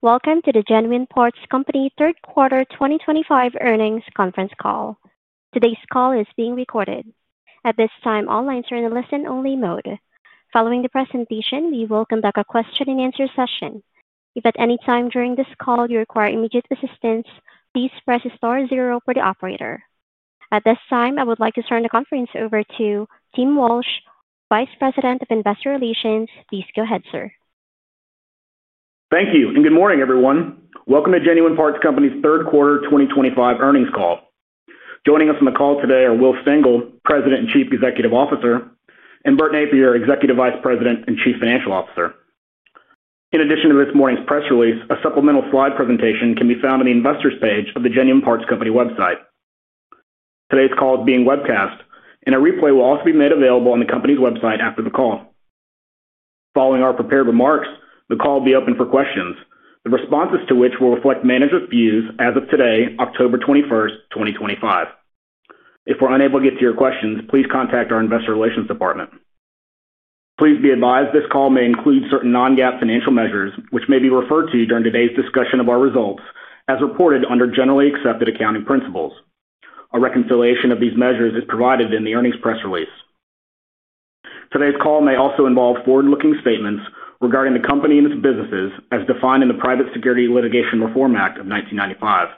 Welcome to the Genuine Parts Company third quarter 2025 earnings conference call. Today's call is being recorded. At this time, all lines are in a listen-only mode. Following the presentation, we will conduct a question-and-answer session. If at any time during this call you require immediate assistance, please press star zero for the operator. At this time, I would like to turn the conference over to Tim Walsh, Vice President of Investor Relations. Thank you, and good morning, everyone. Welcome to Genuine Parts Company's third quarter 2025 earnings call. Joining us on the call today are Will Stengel, President and Chief Executive Officer, and Bert Nappier, Executive Vice President and Chief Financial Officer. In addition to this morning's press release, a supplemental slide presentation can be found on the Investors page of the Genuine Parts Company website. Today's call is being webcast, and a replay will also be made available on the company's website after the call. Following our prepared remarks, the call will be open for questions, the responses to which will reflect management views as of today, October 21, 2025. If we're unable to get to your questions, please contact our Investor Relations Department. Please be advised this call may include certain non-GAAP financial measures, which may be referred to during today's discussion of our results as reported under generally accepted accounting principles. A reconciliation of these measures is provided in the earnings press release. Today's call may also involve forward-looking statements regarding the company and its businesses as defined in the Private Securities Litigation Reform Act of 1995.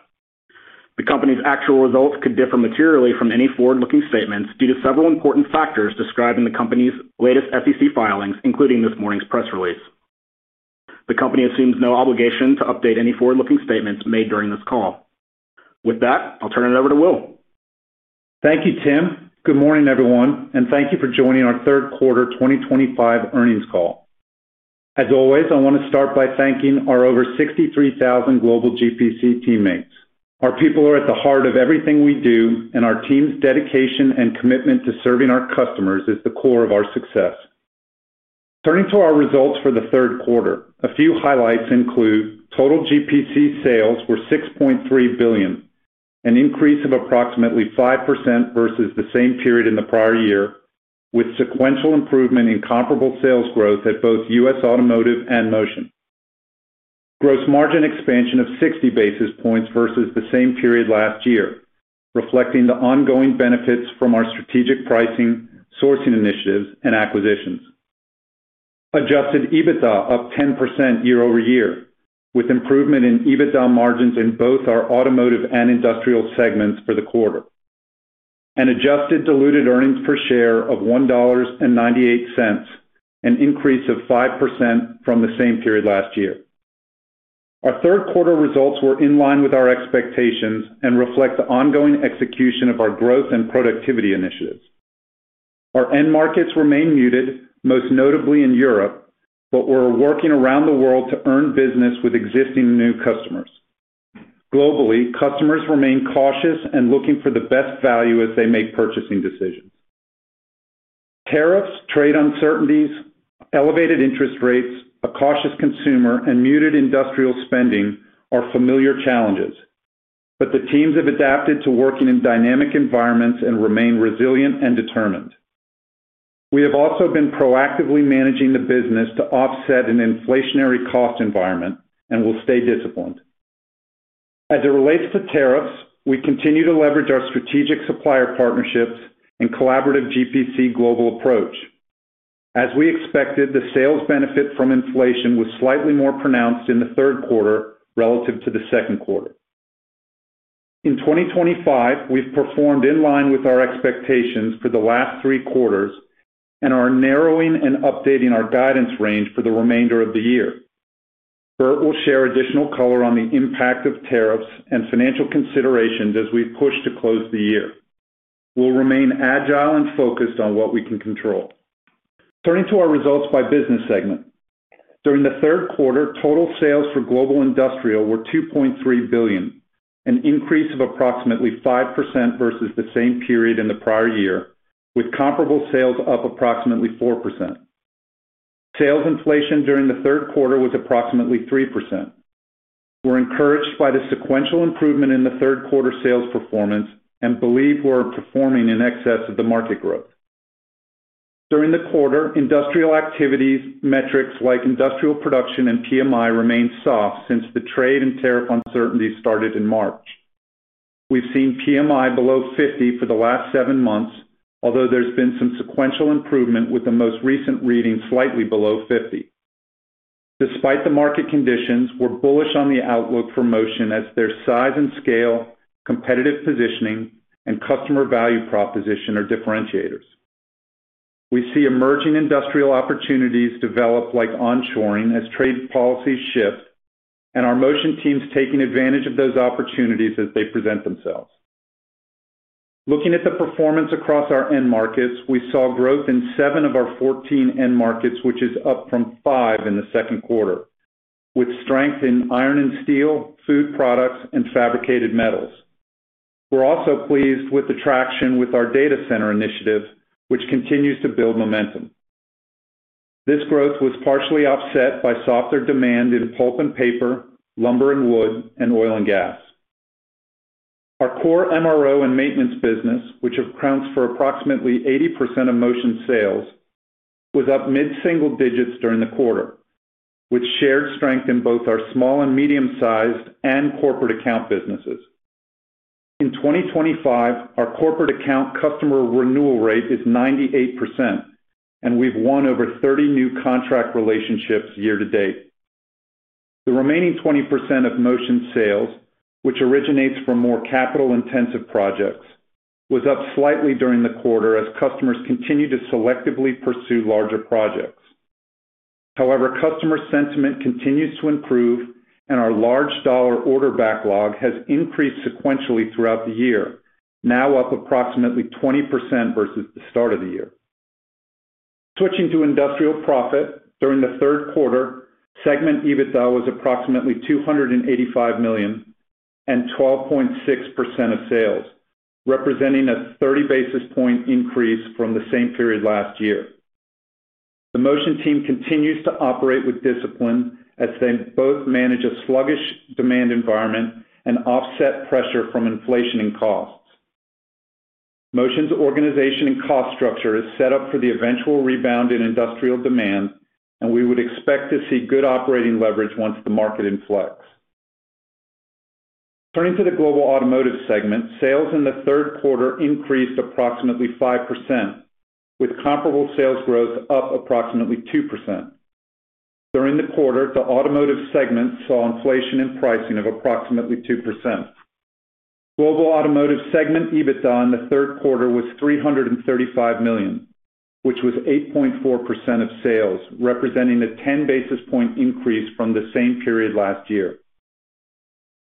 The company's actual results could differ materially from any forward-looking statements due to several important factors described in the company's latest SEC filings, including this morning's press release. The company assumes no obligation to update any forward-looking statements made during this call. With that, I'll turn it over to Will. Thank you, Tim. Good morning, everyone, and thank you for joining our third quarter 2025 earnings call. As always, I want to start by thanking our over 63,000 global GPC teammates. Our people are at the heart of everything we do, and our team's dedication and commitment to serving our customers is the core of our success. Turning to our results for the third quarter, a few highlights include total GPC sales were $6.3 billion, an increase of approximately 5% versus the same period in the prior year, with sequential improvement in comparable sales growth at both U.S. Automotive and Motion. Gross margin expansion of 60 basis points versus the same period last year, reflecting the ongoing benefits from our strategic pricing, sourcing initiatives, and acquisitions. Adjusted EBITDA up 10% year-over year, with improvement in EBITDA margins in both our automotive and industrial segments for the quarter. An adjusted diluted earnings per share of $1.98, an increase of 5% from the same period last year. Our third quarter results were in line with our expectations and reflect the ongoing execution of our growth and productivity initiatives. Our end markets remain muted, most notably in Europe, but we're working around the world to earn business with existing and new customers. Globally, customers remain cautious and looking for the best value as they make purchasing decisions. Tariffs, trade uncertainties, elevated interest rates, a cautious consumer, and muted industrial spending are familiar challenges, but the teams have adapted to working in dynamic environments and remain resilient and determined. We have also been proactively managing the business to offset an inflationary cost environment and will stay disciplined. As it relates to tariffs, we continue to leverage our strategic supplier partnerships and collaborative GPC global approach. As we expected, the sales benefit from inflation was slightly more pronounced in the third quarter relative to the second quarter. In 2025, we've performed in line with our expectations for the last three quarters and are narrowing and updating our guidance range for the remainder of the year. Bert will share additional color on the impact of tariffs and financial considerations as we push to close the year. We'll remain agile and focused on what we can control. Turning to our results by business segment, during the third quarter, total sales for global industrial were $2.3 billion, an increase of approximately 5% versus the same period in the prior year, with comparable sales up approximately 4%. Sales inflation during the third quarter was approximately 3%. We're encouraged by the sequential improvement in the third quarter sales performance and believe we're performing in excess of the market growth. During the quarter, industrial activities metrics like industrial production and PMI remain soft since the trade and tariff uncertainties started in March. We've seen PMI below 50 for the last seven months, although there's been some sequential improvement with the most recent reading slightly below 50. Despite the market conditions, we're bullish on the outlook for Motion as their size and scale, competitive positioning, and customer value proposition are differentiators. We see emerging industrial opportunities develop like onshoring as trade policies shift, and our Motion team is taking advantage of those opportunities as they present themselves. Looking at the performance across our end markets, we saw growth in seven of our 14 end markets, which is up from five in the second quarter, with strength in iron and steel, food products, and fabricated metals. We're also pleased with the traction with our data center initiative, which continues to build momentum. This growth was partially offset by softer demand in pulp and paper, lumber and wood, and oil and gas. Our core MRO and maintenance business, which accounts for approximately 80% of Motion sales, was up mid-single digits during the quarter, with shared strength in both our small and medium-sized and corporate account businesses. In 2025, our corporate account customer renewal rate is 98%, and we've won over 30 new contract relationships year to date. The remaining 20% of Motion sales, which originates from more capital-intensive projects, was up slightly during the quarter as customers continue to selectively pursue larger projects. However, customer sentiment continues to improve, and our large dollar order backlog has increased sequentially throughout the year, now up approximately 20% versus the start of the year. Switching to industrial profit, during the third quarter, segment EBITDA was approximately $285 million and 12.6% of sales, representing a 30 basis point increase from the same period last year. The Motion team continues to operate with discipline as they both manage a sluggish demand environment and offset pressure from inflation and costs. Motion's organization and cost structure is set up for the eventual rebound in industrial demand, and we would expect to see good operating leverage once the market inflects. Turning to the global automotive segment, sales in the third quarter increased approximately 5%, with comparable sales growth up approximately 2%. During the quarter, the automotive segment saw inflation in pricing of approximately 2%. Global automotive segment EBITDA in the third quarter was $335 million, which was 8.4% of sales, representing a 10 basis point increase from the same period last year.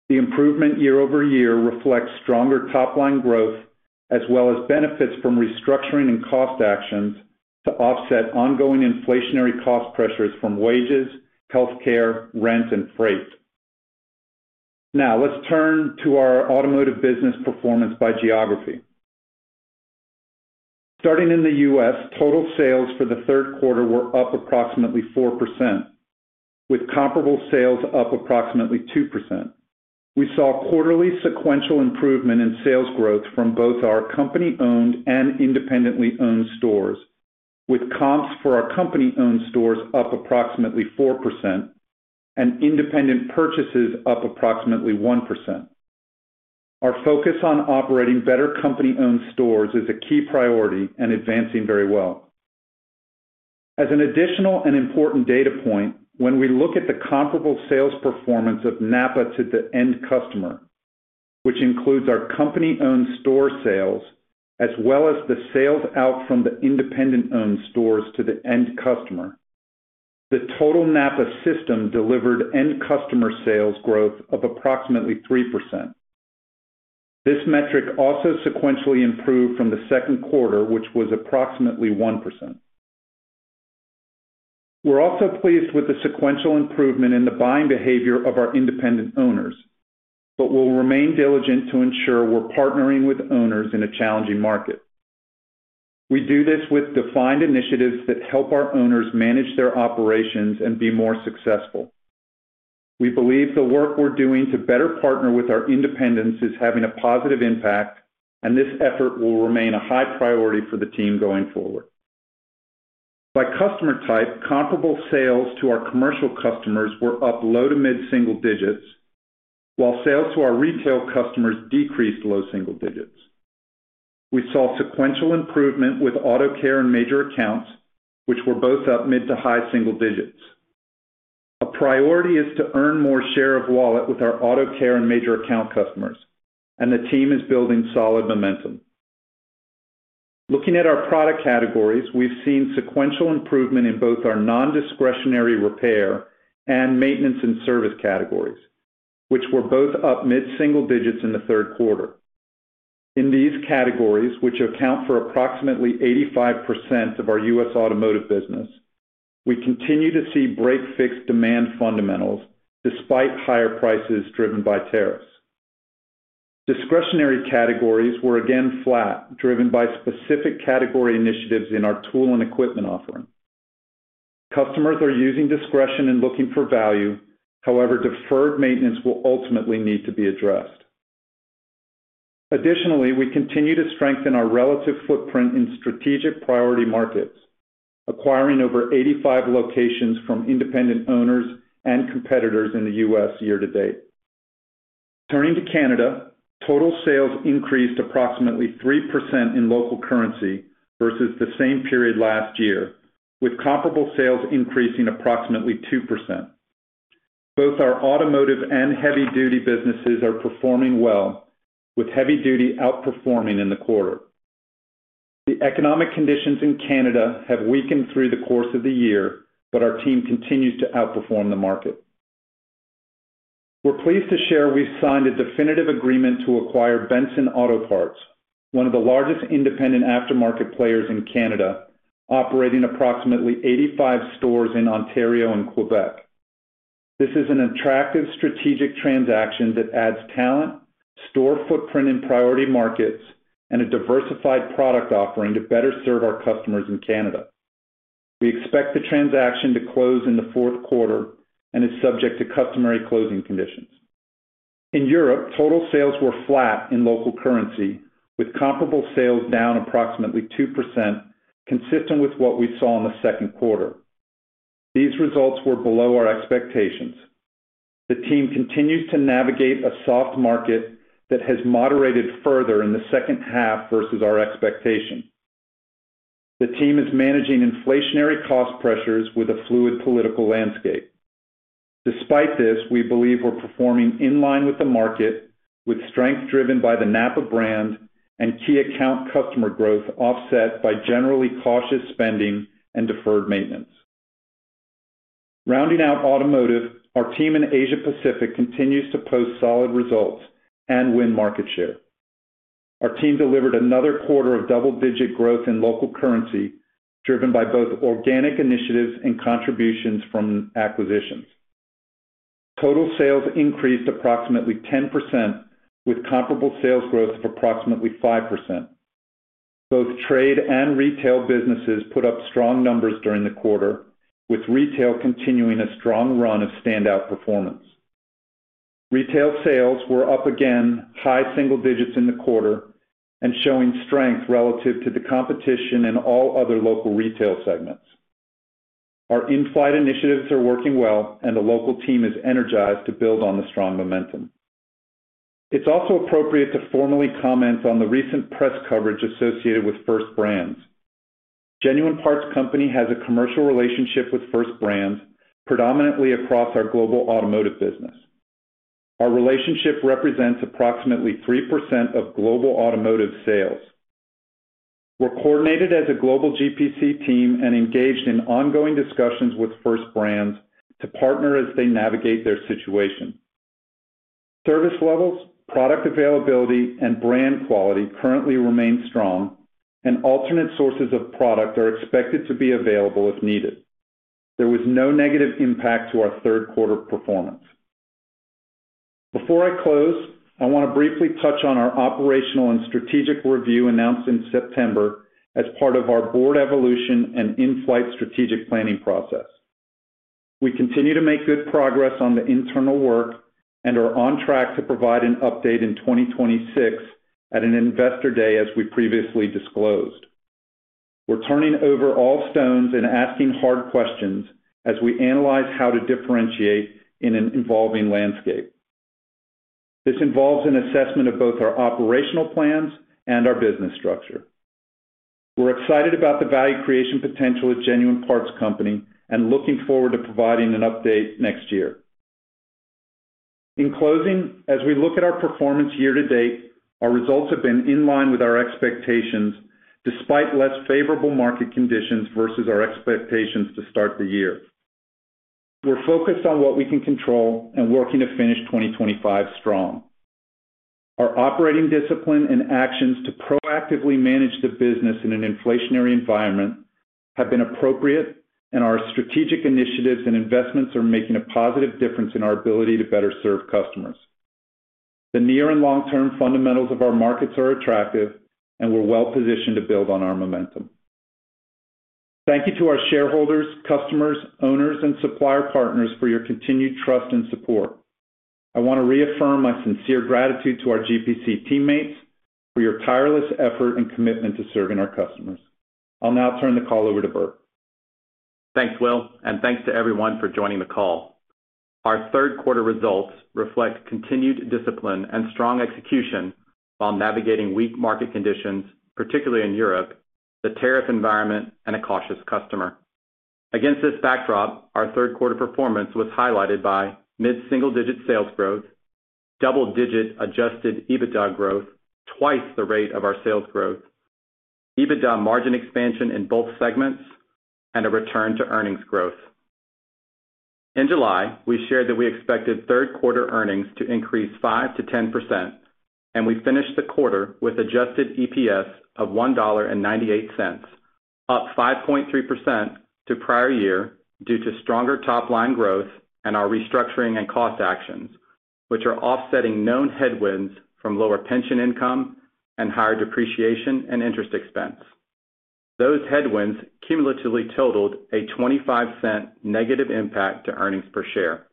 The improvement year-over-year reflects stronger top-line growth as well as benefits from restructuring and cost actions to offset ongoing inflationary cost pressures from wages, healthcare, rent, and freight. Now, let's turn to our automotive business performance by geography. Starting in the U.S., total sales for the third quarter were up approximately 4%, with comparable sales up approximately 2%. We saw quarterly sequential improvement in sales growth from both our company-owned and independently owned stores, with comps for our company-owned stores up approximately 4% and independent purchases up approximately 1%. Our focus on operating better company-owned stores is a key priority and advancing very well. As an additional and important data point, when we look at the comparable sales performance of NAPA to the end customer, which includes our company-owned store sales as well as the sales out from the independent-owned stores to the end customer, the total NAPA system delivered end customer sales growth of approximately 3%. This metric also sequentially improved from the second quarter, which was approximately 1%. We're also pleased with the sequential improvement in the buying behavior of our independent owners, but we'll remain diligent to ensure we're partnering with owners in a challenging market. We do this with defined initiatives that help our owners manage their operations and be more successful. We believe the work we're doing to better partner with our independents is having a positive impact, and this effort will remain a high priority for the team going forward. By customer type, comparable sales to our commercial customers were up low to mid-single digits, while sales to our retail customers decreased low single digits. We saw sequential improvement with auto care and major accounts, which were both up mid to high single digits. A priority is to earn more share of wallet with our auto care and major account customers, and the team is building solid momentum. Looking at our product categories, we've seen sequential improvement in both our non-discretionary repair and maintenance and service categories, which were both up mid-single digits in the third quarter. In these categories, which account for approximately 85% of our U.S. automotive business, we continue to see break-fix demand fundamentals despite higher prices driven by tariffs. Discretionary categories were again flat, driven by specific category initiatives in our tool and equipment offering. Customers are using discretion and looking for value; however, deferred maintenance will ultimately need to be addressed. Additionally, we continue to strengthen our relative footprint in strategic priority markets, acquiring over 85 locations from independent owners and competitors in the U.S. year to date. Turning to Canada, total sales increased approximately 3% in local currency versus the same period last year, with comparable sales increasing approximately 2%. Both our automotive and heavy-duty businesses are performing well, with heavy-duty outperforming in the quarter. The economic conditions in Canada have weakened through the course of the year, but our team continues to outperform the market. We're pleased to share we've signed a definitive agreement to acquire Benson Auto Parts, one of the largest independent aftermarket players in Canada, operating approximately 85 stores in Ontario and Quebec. This is an attractive strategic transaction that adds talent, store footprint in priority markets, and a diversified product offering to better serve our customers in Canada. We expect the transaction to close in the fourth quarter and is subject to customary closing conditions. In Europe, total sales were flat in local currency, with comparable sales down approximately 2%, consistent with what we saw in the second quarter. These results were below our expectations. The team continues to navigate a soft market that has moderated further in the second half versus our expectation. The team is managing inflationary cost pressures with a fluid political landscape. Despite this, we believe we're performing in line with the market, with strength driven by the NAPA brand and key account customer growth offset by generally cautious spending and deferred maintenance. Rounding out automotive, our team in Asia-Pacific continues to post solid results and win market share. Our team delivered another quarter of double-digit growth in local currency, driven by both organic initiatives and contributions from acquisitions. Total sales increased approximately 10%, with comparable sales growth of approximately 5%. Both trade and retail businesses put up strong numbers during the quarter, with retail continuing a strong run of standout performance. Retail sales were up again, high single digits in the quarter, and showing strength relative to the competition in all other local retail segments. Our in-flight initiatives are working well, and the local team is energized to build on the strong momentum. It's also appropriate to formally comment on the recent press coverage associated with First Brands. Genuine Parts Company has a commercial relationship with First Brands, predominantly across our global automotive business. Our relationship represents approximately 3% of global automotive sales. We're coordinated as a global GPC team and engaged in ongoing discussions with First Brands to partner as they navigate their situation. Service levels, product availability, and brand quality currently remain strong, and alternate sources of product are expected to be available if needed. There was no negative impact to our third quarter performance. Before I close, I want to briefly touch on our operational and strategic review announced in September as part of our board evolution and in-flight strategic planning process. We continue to make good progress on the internal work and are on track to provide an update in 2026 at an Investor Day as we previously disclosed. We're turning over all stones and asking hard questions as we analyze how to differentiate in an evolving landscape. This involves an assessment of both our operational plans and our business structure. We're excited about the value creation potential of Genuine Parts Company and looking forward to providing an update next year. In closing, as we look at our performance year to date, our results have been in line with our expectations despite less favorable market conditions versus our expectations to start the year. We're focused on what we can control and working to finish 2025 strong. Our operating discipline and actions to proactively manage the business in an inflationary environment have been appropriate, and our strategic initiatives and investments are making a positive difference in our ability to better serve customers. The near and long-term fundamentals of our markets are attractive, and we're well positioned to build on our momentum. Thank you to our shareholders, customers, owners, and supplier partners for your continued trust and support. I want to reaffirm my sincere gratitude to our GPC teammates for your tireless effort and commitment to serving our customers. I'll now turn the call over to Bert. Thanks, Will, and thanks to everyone for joining the call. Our third quarter results reflect continued discipline and strong execution while navigating weak market conditions, particularly in Europe, the tariff environment, and a cautious customer. Against this backdrop, our third quarter performance was highlighted by mid-single-digit sales growth, double-digit adjusted EBITDA growth, twice the rate of our sales growth, EBITDA margin expansion in both segments, and a return to earnings growth. In July, we shared that we expected third quarter earnings to increase 5%-10%, and we finished the quarter with adjusted EPS of $1.98, up 5.3% to prior year due to stronger top-line growth and our restructuring and cost actions, which are offsetting known headwinds from lower pension income and higher depreciation and interest expense. Those headwinds cumulatively totaled a 25% negative impact to earnings per share.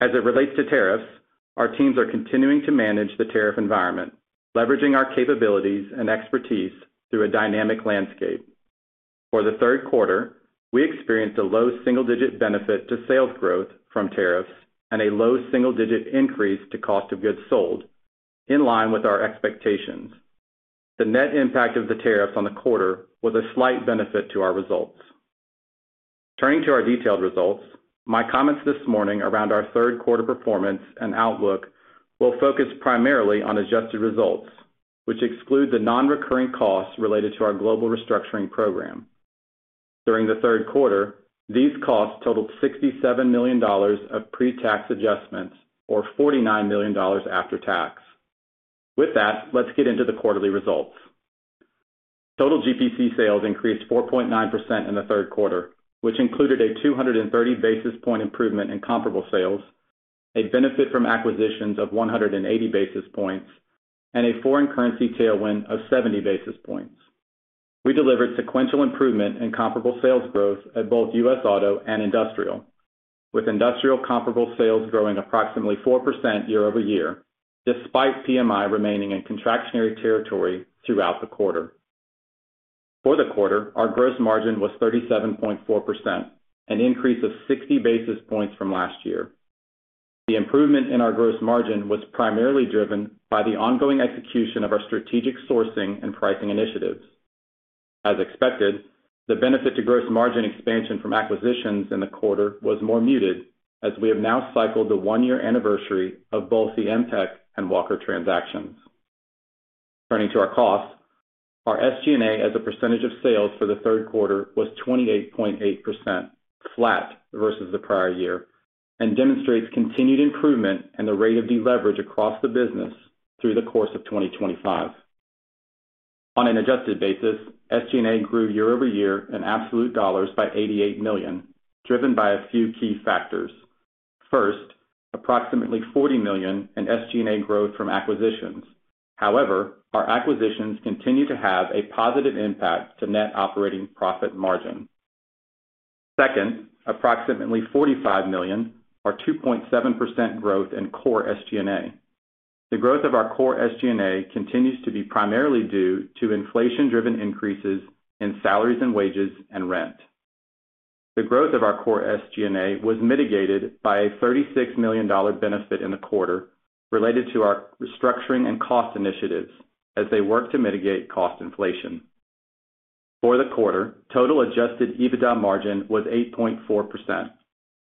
As it relates to tariffs, our teams are continuing to manage the tariff environment, leveraging our capabilities and expertise through a dynamic landscape. For the third quarter, we experienced a low single-digit benefit to sales growth from tariffs and a low single-digit increase to cost of goods sold, in line with our expectations. The net impact of the tariffs on the quarter was a slight benefit to our results. Turning to our detailed results, my comments this morning around our third quarter performance and outlook will focus primarily on adjusted results, which exclude the non-recurring costs related to our global restructuring program. During the third quarter, these costs totaled $67 million of pre-tax adjustments or $49 million after tax. With that, let's get into the quarterly results. Total GPC sales increased 4.9% in the third quarter, which included a 230 basis point improvement in comparable sales, a benefit from acquisitions of 180 basis points, and a foreign currency tailwind of 70 basis points. We delivered sequential improvement in comparable sales growth at both U.S. Auto and Industrial, with Industrial comparable sales growing approximately 4% year-over-year, despite PMI remaining in contractionary territory throughout the quarter. For the quarter, our gross margin was 37.4%, an increase of 60 basis points from last year. The improvement in our gross margin was primarily driven by the ongoing execution of our strategic sourcing and pricing initiatives. As expected, the benefit to gross margin expansion from acquisitions in the quarter was more muted as we have now cycled the one-year anniversary of both the Emtek and Walker transactions. Turning to our costs, our SG&A as a percentage of sales for the third quarter was 28.8%, flat versus the prior year, and demonstrates continued improvement in the rate of deleverage across the business through the course of 2025. On an adjusted basis, SG&A grew year-over-year in absolute dollars by $88 million, driven by a few key factors. First, approximately $40 million in SG&A growth from acquisitions. However, our acquisitions continue to have a positive impact to net operating profit margin. Second, approximately $45 million or 2.7% growth in core SG&A. The growth of our core SG&A continues to be primarily due to inflation-driven increases in salaries and wages and rent. The growth of our core SG&A was mitigated by a $36 million benefit in the quarter related to our restructuring and cost initiatives as they work to mitigate cost inflation. For the quarter, total adjusted EBITDA margin was 8.4%,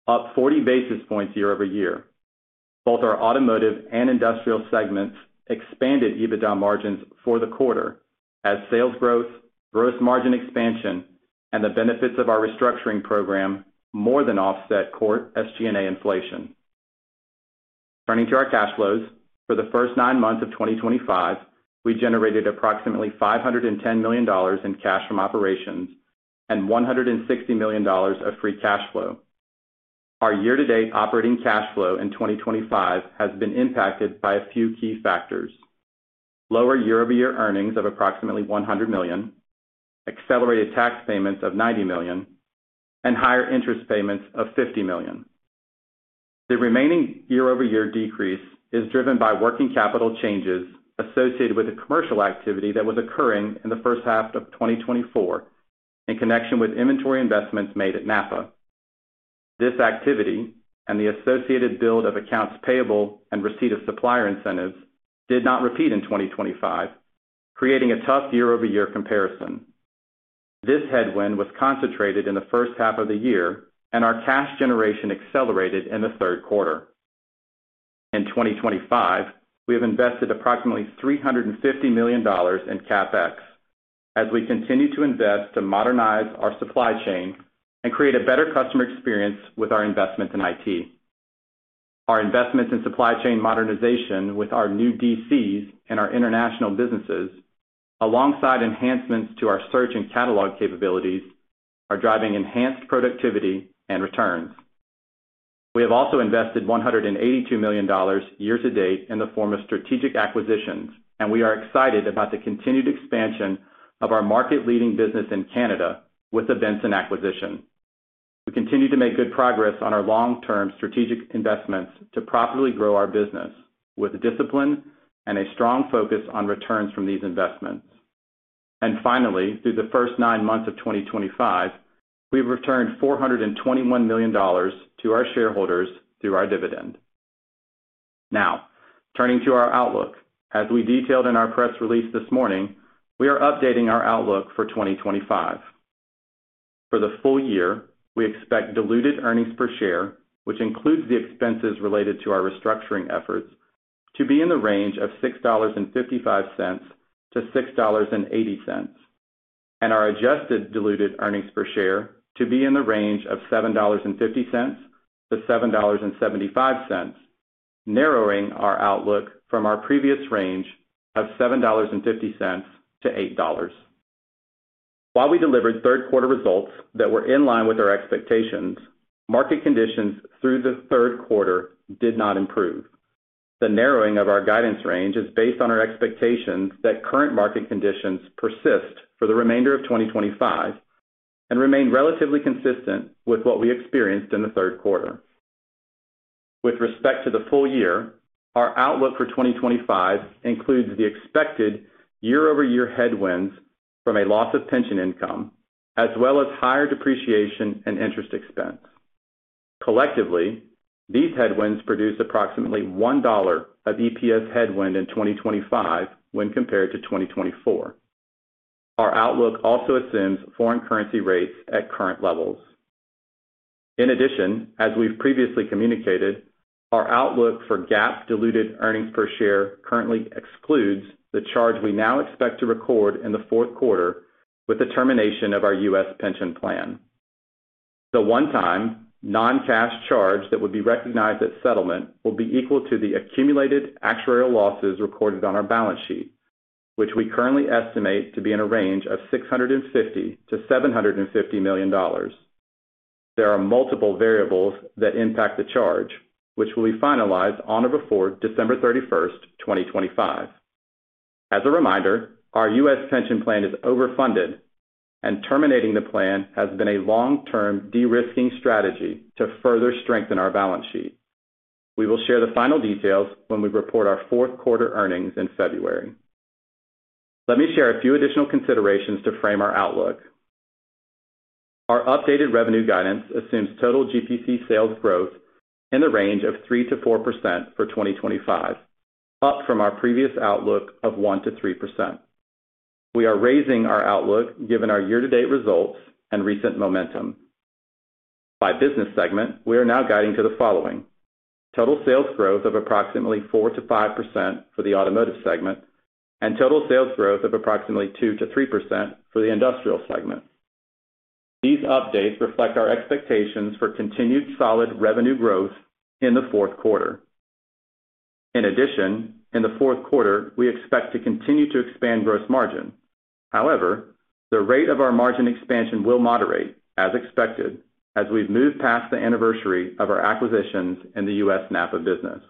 up 40 basis points year-over year. Both our automotive and industrial segments expanded EBITDA margins for the quarter as sales growth, gross margin expansion, and the benefits of our restructuring program more than offset core SG&A inflation. Turning to our cash flows, for the first nine months of 2025, we generated approximately $510 million in cash from operations and $160 million of free cash flow. Our year-to-date operating cash flow in 2025 has been impacted by a few key factors: lower year-over-year earnings of approximately $100 million, accelerated tax payments of $90 million, and higher interest payments of $50 million. The remaining year-over-year decrease is driven by working capital changes associated with a commercial activity that was occurring in the first half of 2024 in connection with inventory investments made at NAPA. This activity and the associated build of accounts payable and receipt of supplier incentives did not repeat in 2025, creating a tough year-over-year comparison. This headwind was concentrated in the first half of the year, and our cash generation accelerated in the third quarter. In 2025, we have invested approximately $350 million in CapEx as we continue to invest to modernize our supply chain and create a better customer experience with our investments in IT. Our investments in supply chain modernization with our new DCs and our international businesses, alongside enhancements to our search and catalog capabilities, are driving enhanced productivity and returns. We have also invested $182 million year to date in the form of strategic acquisitions, and we are excited about the continued expansion of our market-leading business in Canada with the Benson Auto Parts acquisition. We continue to make good progress on our long-term strategic investments to properly grow our business with discipline and a strong focus on returns from these investments. Finally, through the first nine months of 2025, we have returned $421 million to our shareholders through our dividend. Now, turning to our outlook, as we detailed in our press release this morning, we are updating our outlook for 2025. For the full year, we expect diluted earnings per share, which includes the expenses related to our restructuring actions, to be in the range of $6.55 -$6.80, and our adjusted diluted EPS to be in the range of $7.50-$7.75, narrowing our outlook from our previous range of $7.50-$8. While we delivered third quarter results that were in line with our expectations, market conditions through the third quarter did not improve. The narrowing of our guidance range is based on our expectations that current market conditions persist for the remainder of 2025 and remain relatively consistent with what we experienced in the third quarter. With respect to the full year, our outlook for 2025 includes the expected year-over-year headwinds from a loss of pension income, as well as higher depreciation and interest expense. Collectively, these headwinds produce approximately $1 of EPS headwind in 2025 when compared to 2024. Our outlook also assumes foreign currency rates at current levels. In addition, as we've previously communicated, our outlook for GAAP diluted earnings per share currently excludes the charge we now expect to record in the fourth quarter with the termination of our U.S. pension plan. The one-time non-cash charge that would be recognized at settlement will be equal to the accumulated actuarial losses recorded on our balance sheet, which we currently estimate to be in a range of $650 million-$750 million. There are multiple variables that impact the charge, which will be finalized on or before December 31, 2025. As a reminder, our U.S. pension plan is overfunded, and terminating the plan has been a long-term de-risking strategy to further strengthen our balance sheet. We will share the final details when we report our fourth quarter earnings in February. Let me share a few additional considerations to frame our outlook. Our updated revenue guidance assumes total GPC sales growth in the range of 3%-4% for 2025, up from our previous outlook of 1%-3%. We are raising our outlook given our year-to-date results and recent momentum. By business segment, we are now guiding to the following: total sales growth of approximately 4%-5% for the automotive segment and total sales growth of approximately 2%-3% for the industrial segment. These updates reflect our expectations for continued solid revenue growth in the fourth quarter. In addition, in the fourth quarter, we expect to continue to expand gross margin. However, the rate of our margin expansion will moderate, as expected, as we've moved past the anniversary of our acquisitions in the U.S. NAPA business.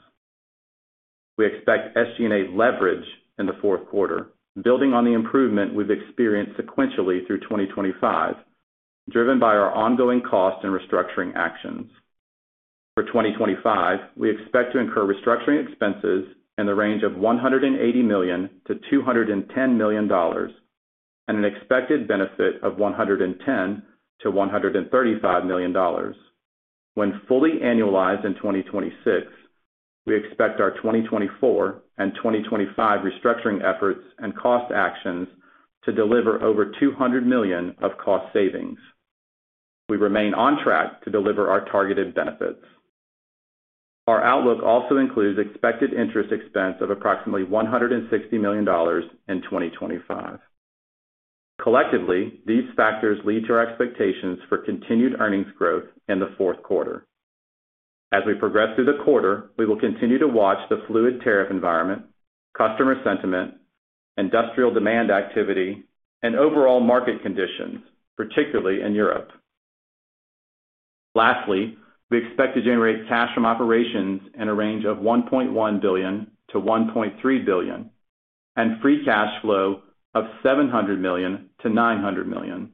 We expect SG&A leverage in the fourth quarter, building on the improvement we've experienced sequentially through 2025, driven by our ongoing cost and restructuring actions. For 2025, we expect to incur restructuring expenses in the range of $180 million-$210 million and an expected benefit of $110 million-$135 million. When fully annualized in 2026, we expect our 2024 and 2025 restructuring efforts and cost actions to deliver over $200 million of cost savings. We remain on track to deliver our targeted benefits. Our outlook also includes expected interest expense of approximately $160 million in 2025. Collectively, these factors lead to our expectations for continued earnings growth in the fourth quarter. As we progress through the quarter, we will continue to watch the fluid tariff environment, customer sentiment, industrial demand activity, and overall market conditions, particularly in Europe. Lastly, we expect to generate cash from operations in a range of $1.1 billion-$1.3 billion and free cash flow of $700 million-$900 million.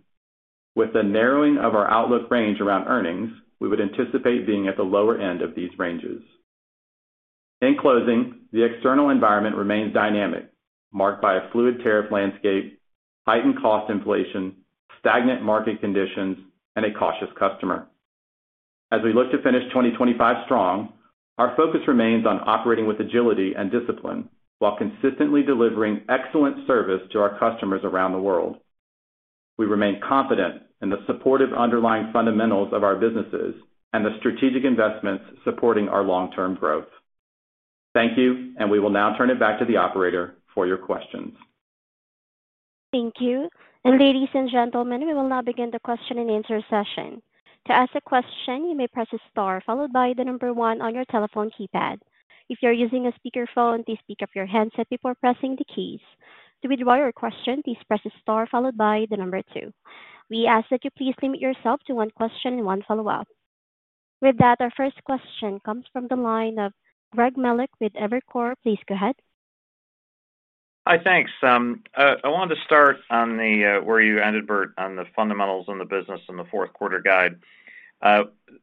With the narrowing of our outlook range around earnings, we would anticipate being at the lower end of these ranges. In closing, the external environment remains dynamic, marked by a fluid tariff landscape, heightened cost inflation, stagnant market conditions, and a cautious customer. As we look to finish 2025 strong, our focus remains on operating with agility and discipline while consistently delivering excellent service to our customers around the world. We remain confident in the supportive underlying fundamentals of our businesses and the strategic investments supporting our long-term growth. Thank you, and we will now turn it back to the operator for your questions. Thank you. Ladies and gentlemen, we will now begin the question-and-answer session. To ask a question, you may press star followed by the number one on your telephone keypad. If you're using a speakerphone, please pick up your headset before pressing the keys. To withdraw your question, please press star followed by the number two. We ask that you please limit yourself to one question and one follow-up. With that, our first question comes from the line of Greg Melich with Evercore. Please go ahead. Hi, thanks. I wanted to start on where you ended, Bert, on the fundamentals and the business and the fourth quarter guide.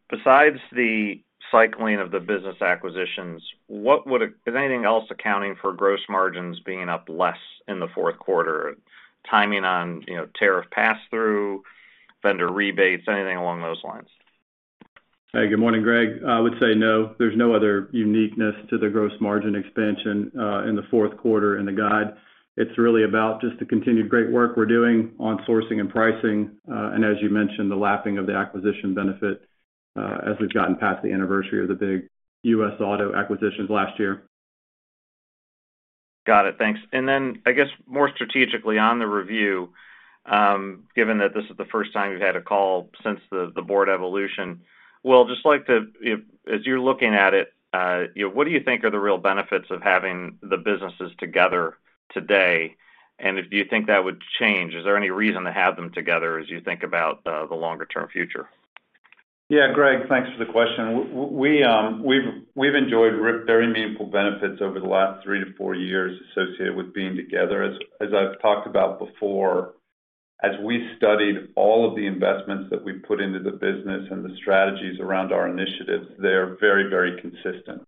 Besides the cycling of the business acquisitions, would it be anything else accounting for gross margins being up less in the fourth quarter? Timing on tariff pass-through, vendor rebates, anything along those lines? Hey, good morning, Greg. I would say no, there's no other uniqueness to the gross margin expansion in the fourth quarter in the guide. It's really about just the continued great work we're doing on sourcing and pricing, and as you mentioned, the lapping of the acquisition benefit as we've gotten past the anniversary of the big U.S. auto acquisitions last year. Got it, thanks. I guess more strategically on the review, given that this is the first time we've had a call since the board evolution, I'd just like to, as you're looking at it, you know, what do you think are the real benefits of having the businesses together today? If you think that would change, is there any reason to have them together as you think about the longer-term future? Yeah, Greg, thanks for the question. We've enjoyed very meaningful benefits over the last three to four years associated with being together. As I've talked about before, as we studied all of the investments that we put into the business and the strategies around our initiatives, they are very, very consistent.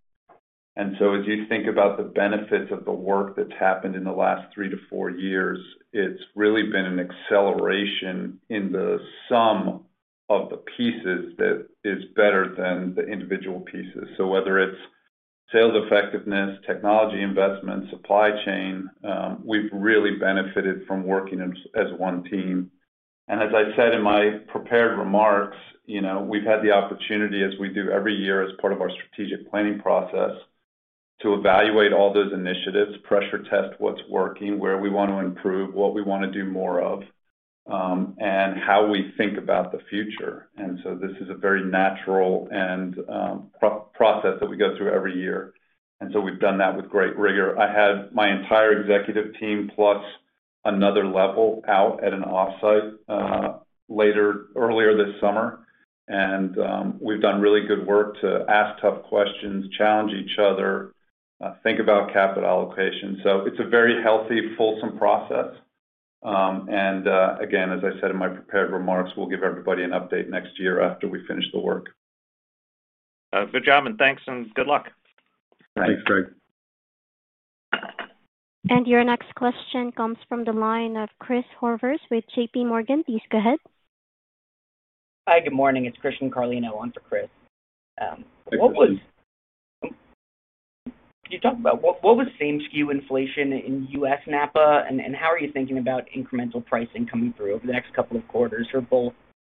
As you think about the benefits of the work that's happened in the last three to four years, it's really been an acceleration in the sum of the pieces that is better than the individual pieces. Whether it's sales effectiveness, technology investments, supply chain, we've really benefited from working as one team. As I said in my prepared remarks, you know, we've had the opportunity, as we do every year as part of our strategic planning process, to evaluate all those initiatives, pressure test what's working, where we want to improve, what we want to do more of, and how we think about the future. This is a very natural process that we go through every year. We've done that with great rigor. I had my entire executive team plus another level out at an offsite earlier this summer. We've done really good work to ask tough questions, challenge each other, think about capital allocation. It's a very healthy, fulsome process. Again, as I said in my prepared remarks, we'll give everybody an update next year after we finish the work. Good job, and thanks, and good luck. Thanks, Greg. Your next question comes from the line of Chris Horvers with JPMorgan. Please go ahead. Hi, good morning. It's Christian Carlino on for Chris. Thanks, Christian. Could you talk about what was same SKU inflation in U.S. NAPA, and how are you thinking about incremental pricing coming through over the next couple of quarters for both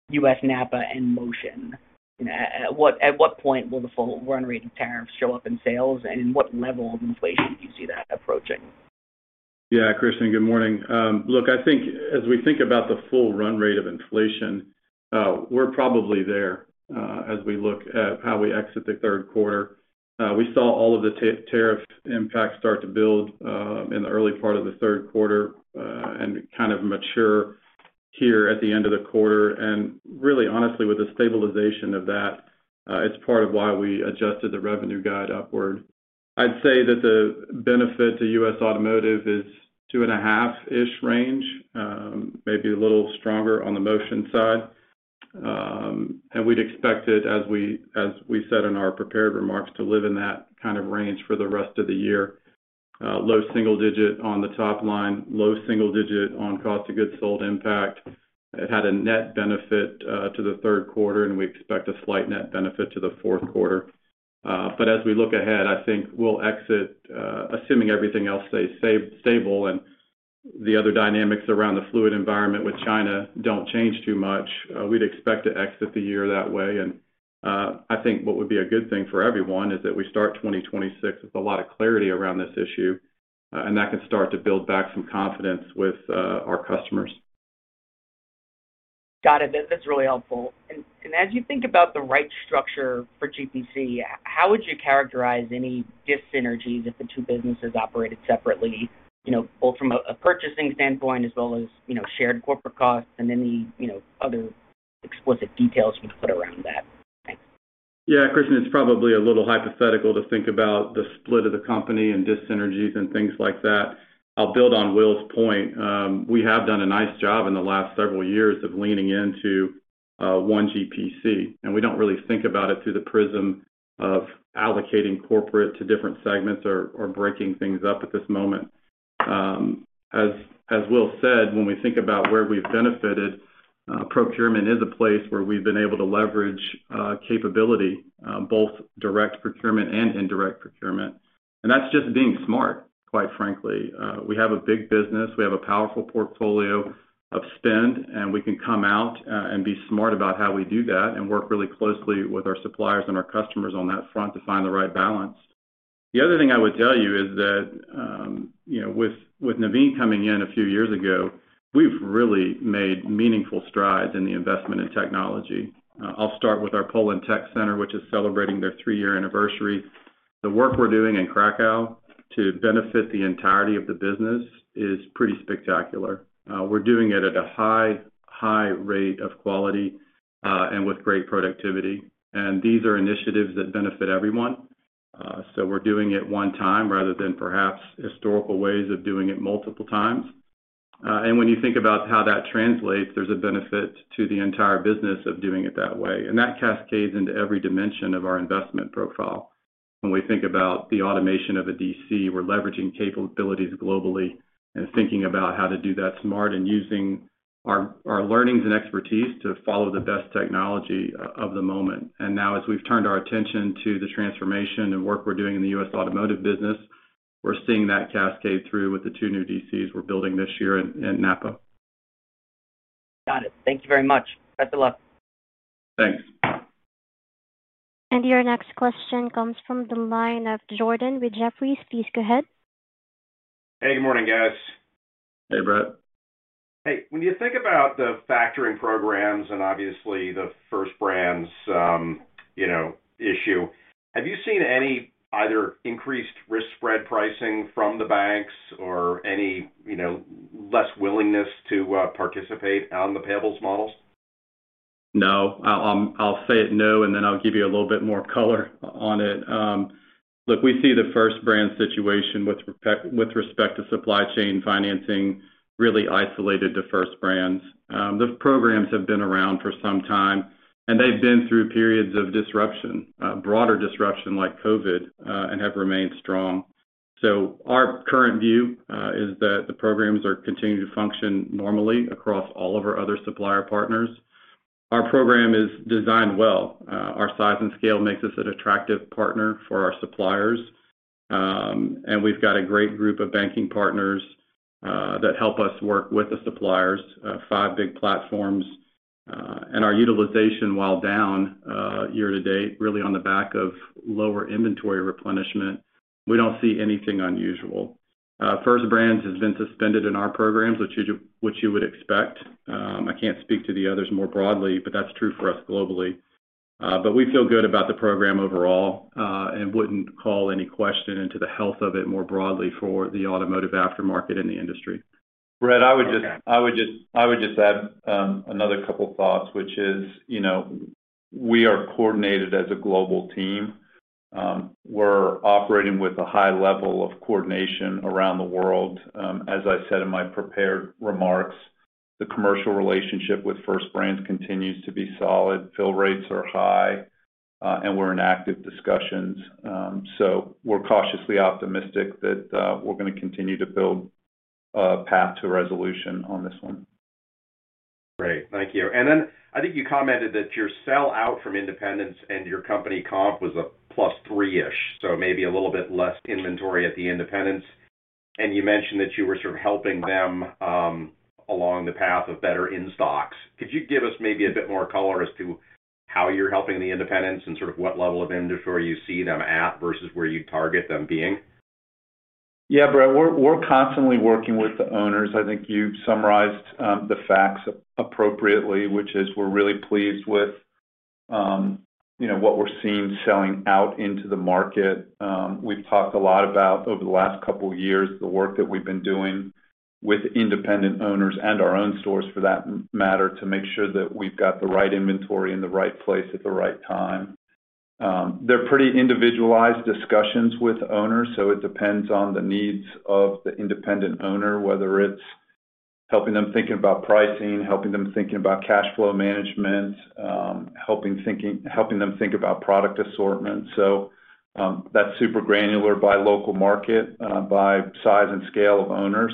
U.S. NAPA and Motion? At what point will the full run rate of tariffs show up in sales, and at what level of inflation do you see that approaching? Yeah, Christian, good morning. Look, I think as we think about the full run rate of inflation, we're probably there as we look at how we exit the third quarter. We saw all of the tariff impacts start to build in the early part of the third quarter and kind of mature here at the end of the quarter. Honestly, with the stabilization of that, it's part of why we adjusted the revenue guide upward. I'd say that the benefit to U.S. automotive is 2.5%-ish range, maybe a little stronger on the Motion side. We'd expect it, as we said in our prepared remarks, to live in that kind of range for the rest of the year. Low single digit on the top line, low single digit on cost of goods sold impact. It had a net benefit to the third quarter, and we expect a slight net benefit to the fourth quarter. As we look ahead, I think we'll exit, assuming everything else stays stable and the other dynamics around the fluid environment with China don't change too much. We'd expect to exit the year that way. I think what would be a good thing for everyone is that we start 2026 with a lot of clarity around this issue, and that can start to build back some confidence with our customers. Got it. That's really helpful. As you think about the right structure for GPC, how would you characterize any dis-synergies if the two businesses operated separately, both from a purchasing standpoint as well as shared corporate costs and any other explicit details you'd put around that? Thanks. Yeah, Christian, it's probably a little hypothetical to think about the split of the company and dis-synergies and things like that. I'll build on Will's point. We have done a nice job in the last several years of leaning into one GPC, and we don't really think about it through the prism of allocating corporate to different segments or breaking things up at this moment. As Will said, when we think about where we've benefited, procurement is a place where we've been able to leverage capability, both direct procurement and indirect procurement. That's just being smart, quite frankly. We have a big business. We have a powerful portfolio of spend, and we can come out and be smart about how we do that and work really closely with our suppliers and our customers on that front to find the right balance. The other thing I would tell you is that with Naveen coming in a few years ago, we've really made meaningful strides in the investment in technology. I'll start with our Poland Tech Center, which is celebrating their three-year anniversary. The work we're doing in Krakow to benefit the entirety of the business is pretty spectacular. We're doing it at a high, high rate of quality and with great productivity. These are initiatives that benefit everyone. We're doing it one time rather than perhaps historical ways of doing it multiple times. When you think about how that translates, there's a benefit to the entire business of doing it that way. That cascades into every dimension of our investment profile. When we think about the automation of a DC, we're leveraging capabilities globally and thinking about how to do that smart and using our learnings and expertise to follow the best technology of the moment. Now, as we've turned our attention to the transformation and work we're doing in the U.S. automotive business, we're seeing that cascade through with the two new DCs we're building this year in NAPA. Got it. Thank you very much. Best of luck. Thanks. Your next question comes from the line of Jordan with Jefferies. Please go ahead. Hey, good morning, guys. Hey, Bret. When you think about the factoring programs and obviously the First Brands issue, have you seen any either increased risk spread pricing from the banks or any less willingness to participate on the payables models? No, I'll say it no, and then I'll give you a little bit more color on it. Look, we see the First Brands situation with respect to supply chain financing really isolated to First Brands. The programs have been around for some time, and they've been through periods of disruption, broader disruption like COVID, and have remained strong. Our current view is that the programs are continuing to function normally across all of our other supplier partners. Our program is designed well. Our size and scale makes us an attractive partner for our suppliers. We've got a great group of banking partners that help us work with the suppliers, five big platforms. Our utilization, while down year to date, is really on the back of lower inventory replenishment. We don't see anything unusual. First Brands has been suspended in our programs, which you would expect. I can't speak to the others more broadly, but that's true for us globally. We feel good about the program overall and wouldn't call any question into the health of it more broadly for the automotive aftermarket in the industry. Bret, I would just add another couple of thoughts, which is, you know, we are coordinated as a global team. We're operating with a high level of coordination around the world. As I said in my prepared remarks, the commercial relationship with First Brands continues to be solid. Fill rates are high, and we're in active discussions. We're cautiously optimistic that we're going to continue to build a path to resolution on this one. Great, thank you. I think you commented that your sell out from Independence and your company comp was a plus three-ish, so maybe a little bit less inventory at the Independence. You mentioned that you were sort of helping them along the path of better in stocks. Could you give us maybe a bit more color as to how you're helping the Independence and sort of what level of inventory you see them at versus where you target them being? Yeah, Bret, we're constantly working with the owners. I think you've summarized the facts appropriately, which is we're really pleased with what we're seeing selling out into the market. We've talked a lot about over the last couple of years the work that we've been doing with independent owners and our own stores, for that matter, to make sure that we've got the right inventory in the right place at the right time. They're pretty individualized discussions with owners, so it depends on the needs of the independent owner, whether it's helping them think about pricing, helping them think about cash flow management, helping them think about product assortment. That's super granular by local market, by size and scale of owners.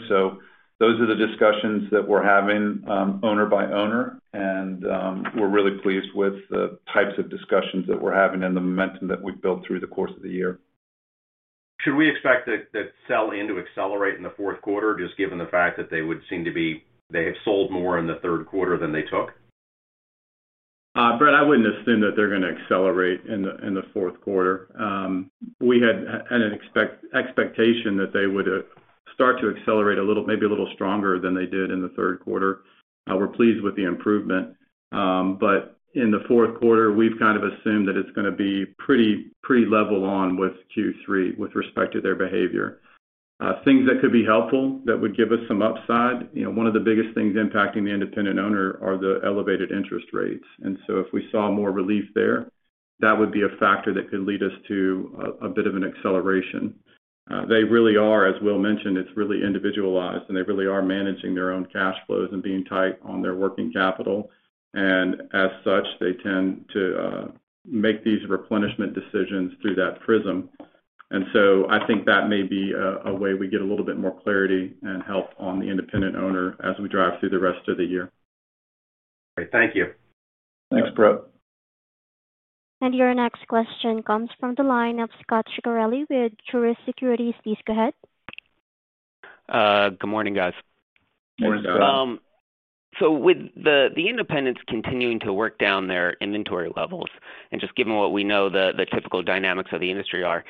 Those are the discussions that we're having owner by owner, and we're really pleased with the types of discussions that we're having and the momentum that we've built through the course of the year. Should we expect that sell-in to accelerate in the fourth quarter, just given the fact that they would seem to be they have sold more in the third quarter than they took? Bret, I wouldn't assume that they're going to accelerate in the fourth quarter. We had an expectation that they would start to accelerate a little, maybe a little stronger than they did in the third quarter. We're pleased with the improvement. In the fourth quarter, we've kind of assumed that it's going to be pretty level with Q3 with respect to their behavior. Things that could be helpful that would give us some upside, one of the biggest things impacting the independent owner are the elevated interest rates. If we saw more relief there, that would be a factor that could lead us to a bit of an acceleration. They really are, as Will mentioned, it's really individualized, and they really are managing their own cash flows and being tight on their working capital. As such, they tend to make these replenishment decisions through that prism. I think that may be a way we get a little bit more clarity and help on the independent owner as we drive through the rest of the year. Great, thank you. Thanks, Bret. Your next question comes from the line of Scot Ciccarelli with Truist Securities. Please go ahead. Good morning, guys. Morning, Scott. With the Independents continuing to work down their inventory levels, and just given what we know the typical dynamics of the industry are,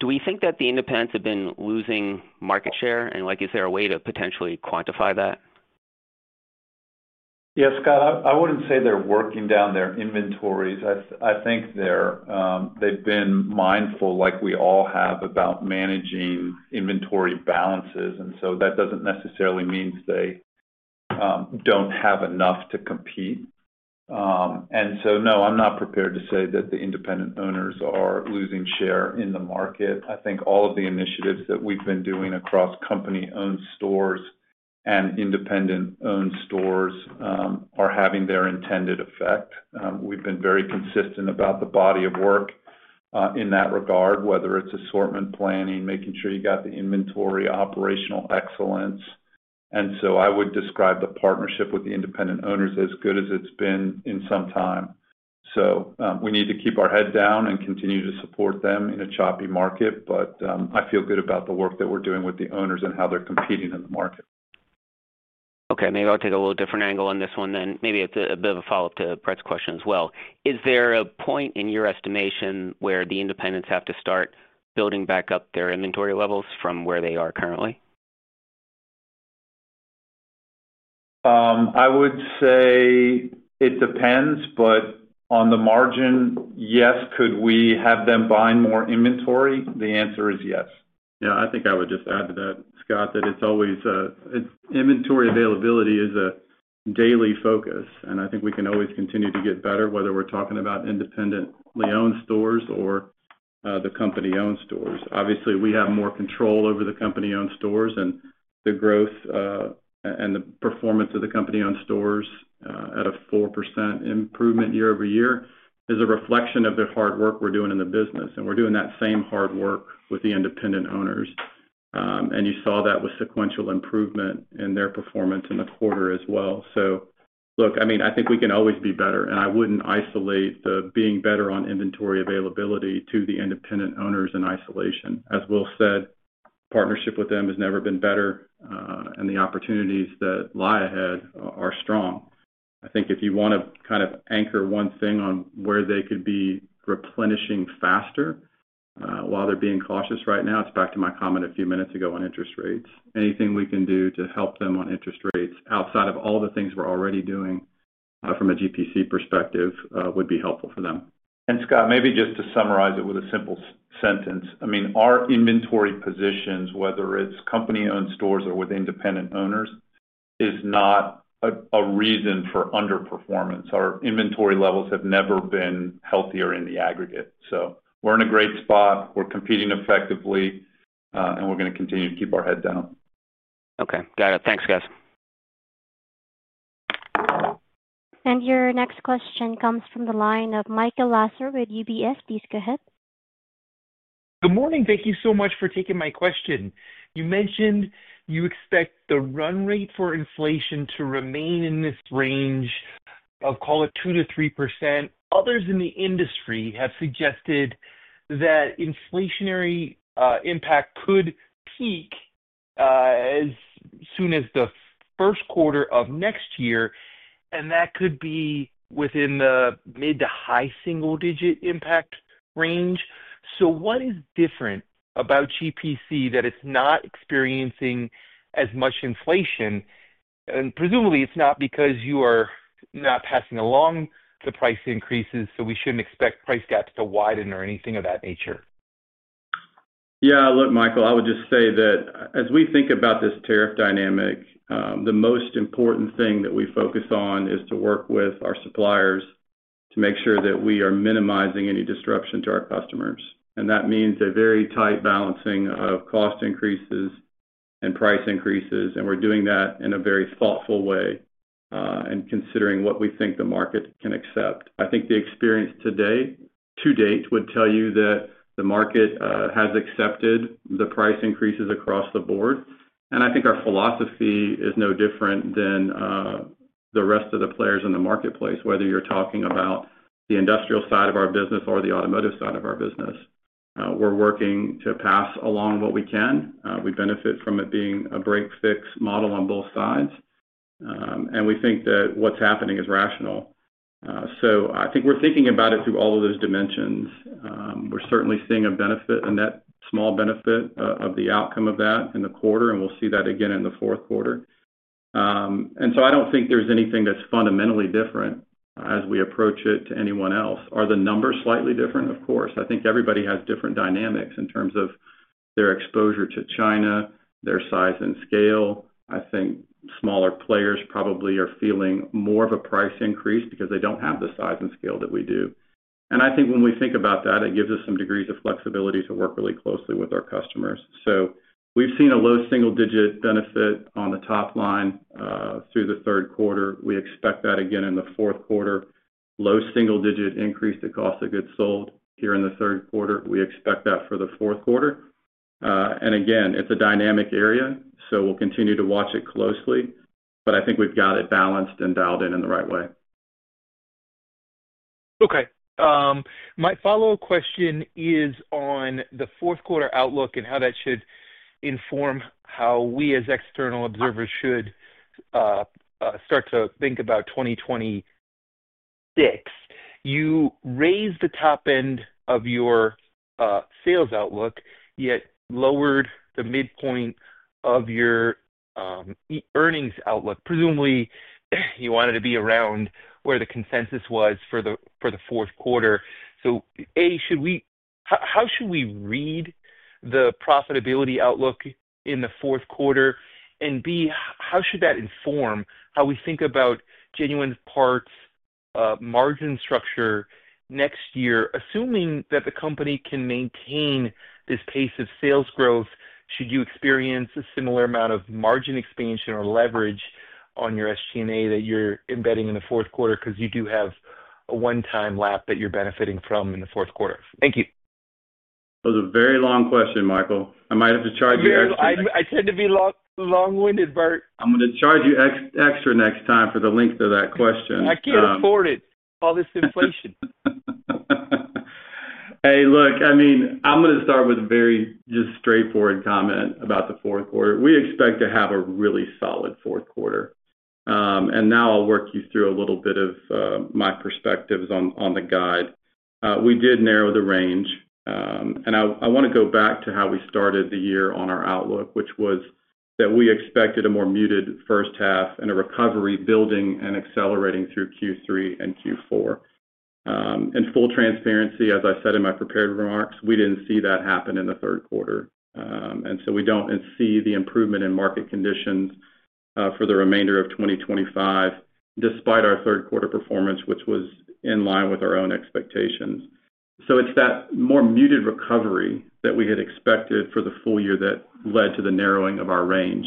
do we think that the Independents have been losing market share? Is there a way to potentially quantify that? Yes, Scott, I wouldn't say they're working down their inventories. I think they've been mindful, like we all have, about managing inventory balances. That doesn't necessarily mean they don't have enough to compete. No, I'm not prepared to say that the independent owners are losing share in the market. I think all of the initiatives that we've been doing across company-owned stores and independent-owned stores are having their intended effect. We've been very consistent about the body of work in that regard, whether it's assortment planning, making sure you got the inventory, operational excellence. I would describe the partnership with the independent owners as good as it's been in some time. We need to keep our head down and continue to support them in a choppy market, but I feel good about the work that we're doing with the owners and how they're competing in the market. Okay, maybe I'll take a little different angle on this one then. Maybe it's a bit of a follow-up to Bret's question as well. Is there a point in your estimation where the independents have to start building back up their inventory levels from where they are currently? I would say it depends, but on the margin, yes, could we have them buy more inventory? The answer is yes. I think I would just add to that, Scott, that it's always inventory availability is a daily focus. I think we can always continue to get better, whether we're talking about independently owned stores or the company-owned stores. Obviously, we have more control over the company-owned stores, and the growth and the performance of the company-owned stores at a 4% improvement year-over-year is a reflection of the hard work we're doing in the business. We're doing that same hard work with the independent owners, and you saw that with sequential improvement in their performance in the quarter as well. I think we can always be better. I wouldn't isolate the being better on inventory availability to the independent owners in isolation. As Will said, partnership with them has never been better, and the opportunities that lie ahead are strong. I think if you want to kind of anchor one thing on where they could be replenishing faster while they're being cautious right now, it's back to my comment a few minutes ago on interest rates. Anything we can do to help them on interest rates outside of all the things we're already doing from a GPC perspective would be helpful for them. Scott, maybe just to summarize it with a simple sentence, our inventory positions, whether it's company-owned stores or with independent owners, is not a reason for underperformance. Our inventory levels have never been healthier in the aggregate. We're in a great spot, we're competing effectively, and we're going to continue to keep our head down. Okay, got it. Thanks, guys. Your next question comes from the line of Michael Lasser with UBS. Please go ahead. Good morning. Thank you so much for taking my question. You mentioned you expect the run rate for inflation to remain in this range of, call it, 2%-3%. Others in the industry have suggested that inflationary impact could peak as soon as the first quarter of next year, and that could be within the mid to high single-digit impact range. What is different about GPC that it's not experiencing as much inflation? Presumably, it's not because you are not passing along the price increases, so we shouldn't expect price gaps to widen or anything of that nature. Yeah, look, Michael, I would just say that as we think about this tariff dynamic, the most important thing that we focus on is to work with our suppliers to make sure that we are minimizing any disruption to our customers. That means a very tight balancing of cost increases and price increases, and we're doing that in a very thoughtful way and considering what we think the market can accept. I think the experience to date would tell you that the market has accepted the price increases across the board. I think our philosophy is no different than the rest of the players in the marketplace, whether you're talking about the industrial side of our business or the automotive side of our business. We're working to pass along what we can. We benefit from it being a break-fix model on both sides, and we think that what's happening is rational. I think we're thinking about it through all of those dimensions. We're certainly seeing a benefit, a net small benefit of the outcome of that in the quarter, and we'll see that again in the fourth quarter. I don't think there's anything that's fundamentally different as we approach it to anyone else. Are the numbers slightly different? Of course, I think everybody has different dynamics in terms of their exposure to China, their size and scale. I think smaller players probably are feeling more of a price increase because they don't have the size and scale that we do. I think when we think about that, it gives us some degrees of flexibility to work really closely with our customers. We've seen a low single-digit benefit on the top line through the third quarter. We expect that again in the fourth quarter. Low single-digit increase to cost of goods sold here in the third quarter. We expect that for the fourth quarter. Again, it's a dynamic area, so we'll continue to watch it closely. I think we've got it balanced and dialed in in the right way. Okay. My follow-up question is on the fourth quarter outlook and how that should inform how we as external observers should start to think about 2026. You raised the top end of your sales outlook, yet lowered the midpoint of your earnings outlook. Presumably, you wanted to be around where the consensus was for the fourth quarter. A, how should we read the profitability outlook in the fourth quarter? B, how should that inform how we think about Genuine Parts Company's margin structure next year, assuming that the company can maintain this pace of sales growth? Should you experience a similar amount of margin expansion or leverage on your SG&A that you're embedding in the fourth quarter because you do have a one-time lap that you're benefiting from in the fourth quarter? Thank you. That was a very long question, Michael. I might have to charge you extra. I tend to be long-winded, Bet. I'm going to charge you extra next time for the length of that question. I can't afford it, all this inflation. Hey, look, I mean, I'm going to start with a very just straightforward comment about the fourth quarter. We expect to have a really solid fourth quarter. Now I'll work you through a little bit of my perspectives on the guide. We did narrow the range, and I want to go back to how we started the year on our outlook, which was that we expected a more muted first half and a recovery building and accelerating through Q3 and Q4. In full transparency, as I said in my prepared remarks, we didn't see that happen in the third quarter. We don't see the improvement in market conditions for the remainder of 2025, despite our third quarter performance, which was in line with our own expectations. It's that more muted recovery that we had expected for the full year that led to the narrowing of our range.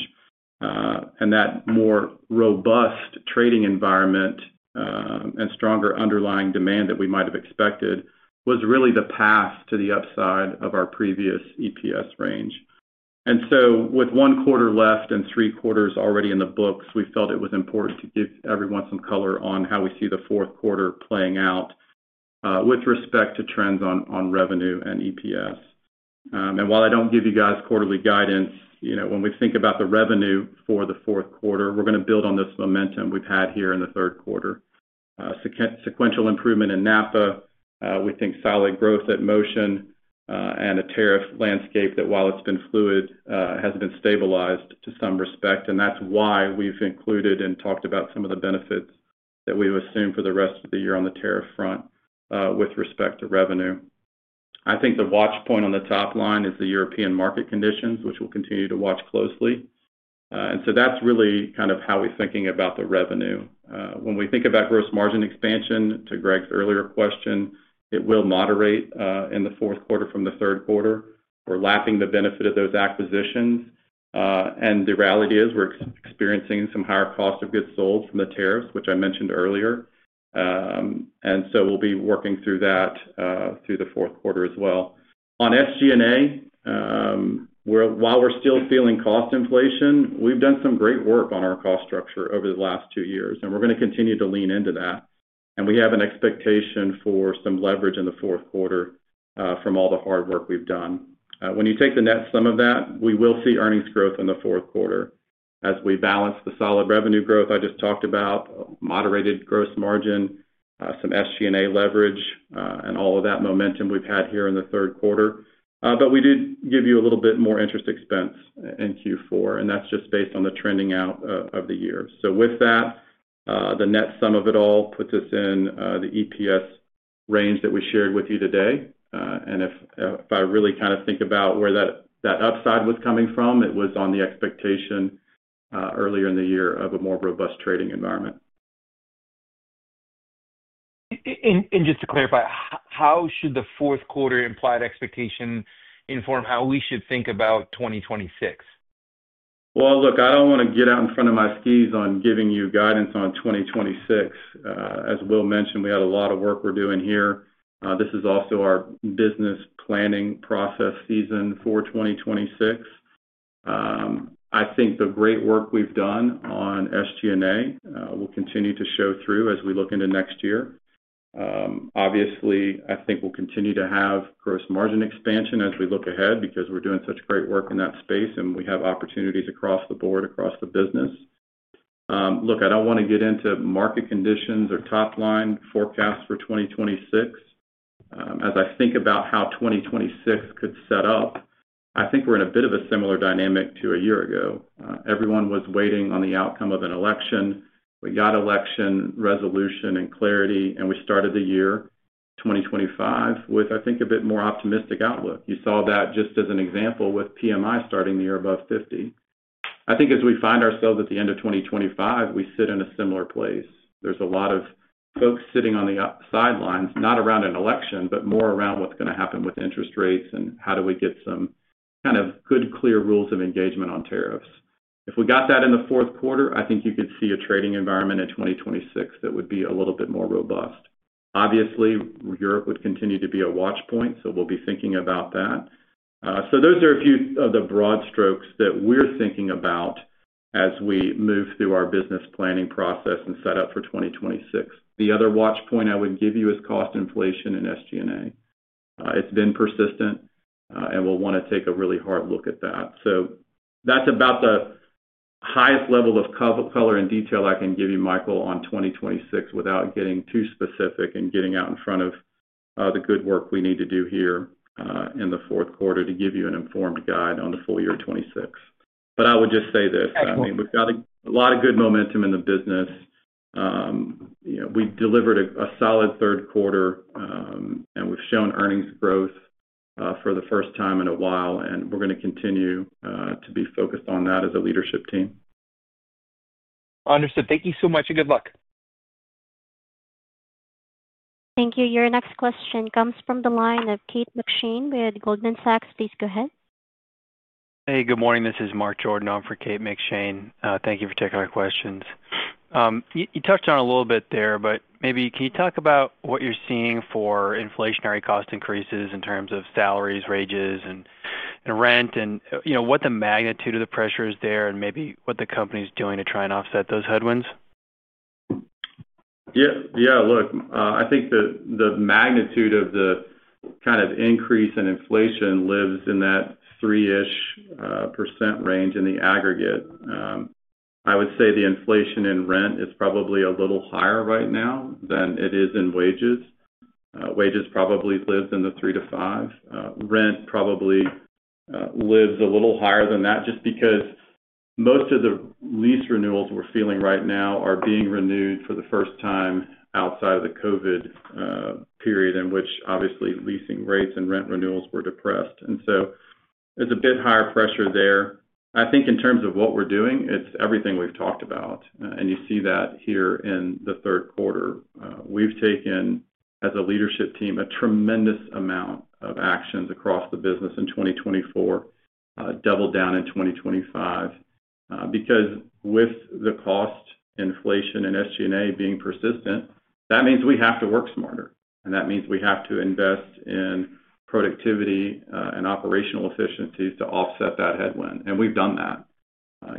That more robust trading environment and stronger underlying demand that we might have expected was really the path to the upside of our previous EPS range. With one quarter left and three quarters already in the books, we felt it was important to give everyone some color on how we see the fourth quarter playing out with respect to trends on revenue and EPS. While I don't give you guys quarterly guidance, when we think about the revenue for the fourth quarter, we're going to build on this momentum we've had here in the third quarter. Sequential improvement in NAPA, we think solid growth at Motion, and a tariff landscape that while it's been fluid, has been stabilized to some respect. That's why we've included and talked about some of the benefits that we've assumed for the rest of the year on the tariff front with respect to revenue. I think the watch point on the top line is the European market conditions, which we'll continue to watch closely. That's really kind of how we're thinking about the revenue. When we think about gross margin expansion, to Greg's earlier question, it will moderate in the fourth quarter from the third quarter. We're lapping the benefit of those acquisitions. The reality is we're experiencing some higher cost of goods sold from the tariffs, which I mentioned earlier. We'll be working through that through the fourth quarter as well. On SG&A, while we're still feeling cost inflation, we've done some great work on our cost structure over the last two years, and we're going to continue to lean into that. We have an expectation for some leverage in the fourth quarter from all the hard work we've done. When you take the net sum of that, we will see earnings growth in the fourth quarter as we balance the solid revenue growth I just talked about, moderated gross margin, some SG&A leverage, and all of that momentum we've had here in the third quarter. We did give you a little bit more interest expense in Q4, and that's just based on the trending out of the year. With that, the net sum of it all puts us in the EPS range that we shared with you today. If I really kind of think about where that upside was coming from, it was on the expectation earlier in the year of a more robust trading environment. Just to clarify, how should the fourth quarter implied expectation inform how we should think about 2026? I don't want to get out in front of my skis on giving you guidance on 2026. As Will mentioned, we had a lot of work we're doing here. This is also our business planning process season for 2026. I think the great work we've done on SG&A will continue to show through as we look into next year. Obviously, I think we'll continue to have gross margin expansion as we look ahead because we're doing such great work in that space and we have opportunities across the board, across the business. I don't want to get into market conditions or top line forecasts for 2026. As I think about how 2026 could set up, I think we're in a bit of a similar dynamic to a year ago. Everyone was waiting on the outcome of an election. We got election resolution and clarity, and we started the year 2025 with, I think, a bit more optimistic outlook. You saw that just as an example with PMI starting the year above 50. I think as we find ourselves at the end of 2025, we sit in a similar place. There's a lot of folks sitting on the sidelines, not around an election, but more around what's going to happen with interest rates and how do we get some kind of good, clear rules of engagement on tariffs. If we got that in the fourth quarter, I think you could see a trading environment in 2026 that would be a little bit more robust. Obviously, Europe would continue to be a watch point, so we'll be thinking about that. Those are a few of the broad strokes that we're thinking about as we move through our business planning process and set up for 2026. The other watch point I would give you is cost inflation in SG&A. It's been persistent, and we'll want to take a really hard look at that. That's about the highest level of color and detail I can give you, Michael, on 2026 without getting too specific and getting out in front of the good work we need to do here in the fourth quarter to give you an informed guide on the full year of 2026. I would just say this, we've got a lot of good momentum in the business. You know, we delivered a solid third quarter, and we've shown earnings growth for the first time in a while, and we're going to continue to be focused on that as a leadership team. Understood. Thank you so much, and good luck. Thank you. Your next question comes from the line of Kate McShane with Goldman Sachs. Please go ahead. Hey, good morning. This is Mark Jordan. I'm from Kate McShane. Thank you for taking our questions. You touched on it a little bit there, but maybe can you talk about what you're seeing for inflationary cost increases in terms of salaries, wages, and rent, and, you know, what the magnitude of the pressure is there and maybe what the company's doing to try and offset those headwinds? Yeah, look, I think that the magnitude of the kind of increase in inflation lives in that 3% range in the aggregate. I would say the inflation in rent is probably a little higher right now than it is in wages. Wages probably live in the 3%-5%. Rent probably lives a little higher than that just because most of the lease renewals we're feeling right now are being renewed for the first time outside of the COVID period in which obviously leasing rates and rent renewals were depressed. There is a bit higher pressure there. I think in terms of what we're doing, it's everything we've talked about. You see that here in the third quarter. We've taken, as a leadership team, a tremendous amount of actions across the business in 2024, double down in 2025. With the cost inflation and SG&A being persistent, that means we have to work smarter. That means we have to invest in productivity and operational efficiencies to offset that headwind. We've done that.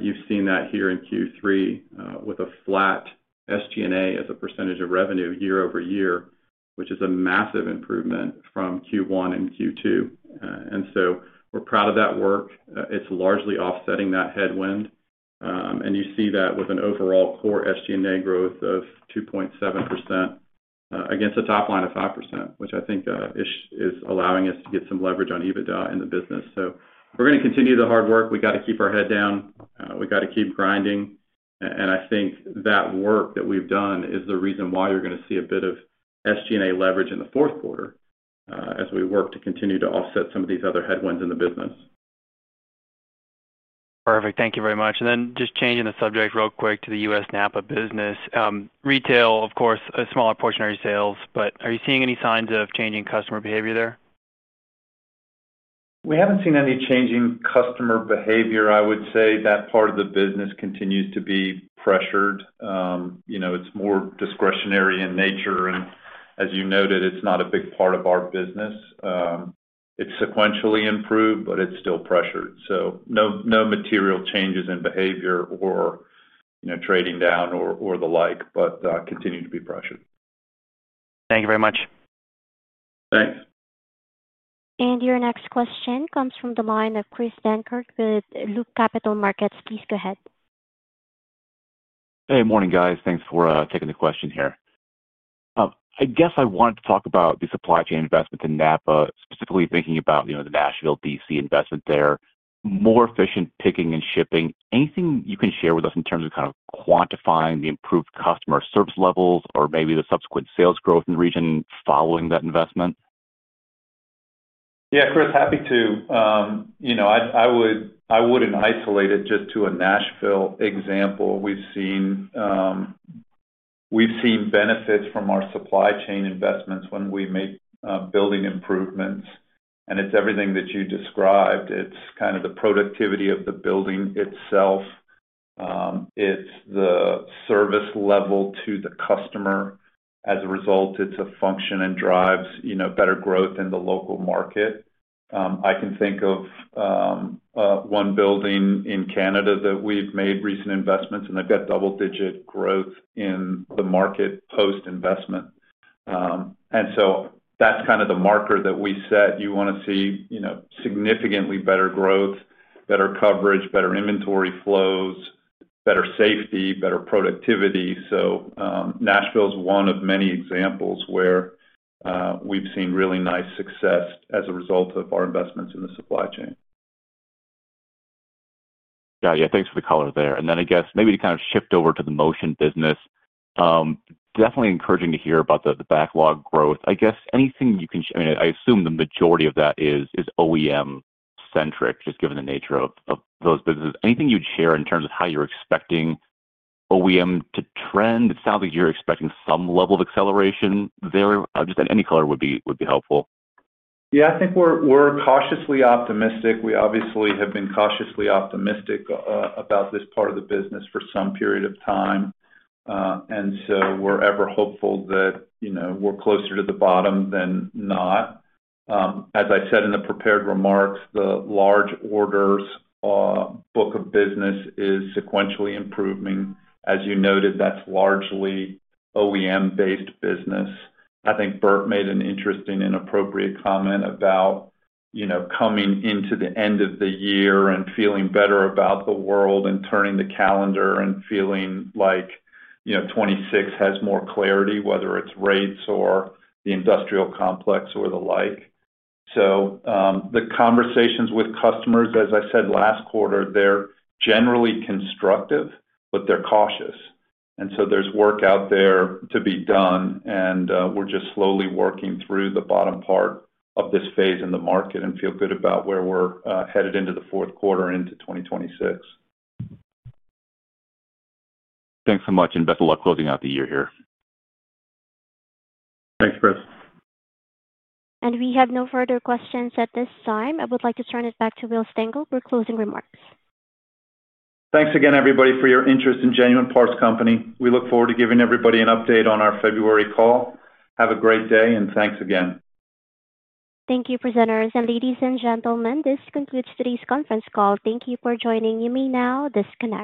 You've seen that here in Q3 with a flat SG&A as a percentage of revenue year-over-year, which is a massive improvement from Q1 and Q2. We're proud of that work. It's largely offsetting that headwind. You see that with an overall core SG&A growth of 2.7% against a top line of 5%, which I think is allowing us to get some leverage on EBITDA in the business. We are going to continue the hard work. We have to keep our head down. We have to keep grinding. I think that work that we've done is the reason why you're going to see a bit of SG&A leverage in the fourth quarter as we work to continue to offset some of these other headwinds in the business. Perfect. Thank you very much. Just changing the subject real quick to the U.S. NAPA business. Retail, of course, a smaller portion of your sales, but are you seeing any signs of changing customer behavior there? We haven't seen any changing customer behavior. I would say that part of the business continues to be pressured. It's more discretionary in nature. As you noted, it's not a big part of our business. It's sequentially improved, but it's still pressured. No material changes in behavior or trading down or the like, but continuing to be pressured. Thank you very much. Thanks. Your next question comes from the line of Chris Dankert with Loop Capital Markets. Please go ahead. Hey, morning guys. Thanks for taking the question here. I guess I wanted to talk about the supply chain investment to NAPA, specifically thinking about, you know, the Nashville DC investment there, more efficient picking and shipping. Anything you can share with us in terms of quantifying the improved customer service levels or maybe the subsequent sales growth in the region following that investment? Yeah, Chris, happy to. I wouldn't isolate it just to a Nashville example. We've seen benefits from our supply chain investments when we make building improvements. It's everything that you described. It's the productivity of the building itself, the service level to the customer. As a result, it's a function and drives better growth in the local market. I can think of one building in Canada that we've made recent investments in, and they've got double-digit growth in the market post-investment. That's kind of the marker that we set. You want to see significantly better growth, better coverage, better inventory flows, better safety, better productivity. Nashville is one of many examples where we've seen really nice success as a result of our investments in the supply chain. Got it. Yeah, thanks for the color there. I guess maybe to kind of shift over to the Motion business, definitely encouraging to hear about the backlog growth. I guess anything you can, I mean, I assume the majority of that is OEM-centric, just given the nature of those businesses. Anything you'd share in terms of how you're expecting OEM to trend? It sounds like you're expecting some level of acceleration there. Just any color would be helpful. Yeah, I think we're cautiously optimistic. We obviously have been cautiously optimistic about this part of the business for some period of time. We're ever hopeful that, you know, we're closer to the bottom than not. As I said in the prepared remarks, the large orders book of business is sequentially improving. As you noted, that's largely OEM-based business. I think Bert made an interesting and appropriate comment about, you know, coming into the end of the year and feeling better about the world and turning the calendar and feeling like, you know, 2026 has more clarity, whether it's rates or the industrial complex or the like. The conversations with customers, as I said last quarter, they're generally constructive, but they're cautious. There's work out there to be done, and we're just slowly working through the bottom part of this phase in the market and feel good about where we're headed into the fourth quarter into 2026. Thanks so much, and best of luck closing out the year here. Thanks, Chris. We have no further questions at this time. I would like to turn it back to Will Stengel for closing remarks. Thanks again, everybody, for your interest in Genuine Parts Company. We look forward to giving everybody an update on our February call. Have a great day, and thanks again. Thank you, presenters. Ladies and gentlemen, this concludes today's conference call. Thank you for joining. You may now disconnect.